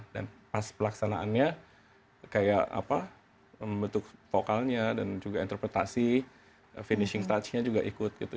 dan pas pelaksanaannya kayak apa membentuk vokalnya dan juga interpretasi finishing touch nya juga ikut gitu